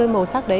màu sắc đấy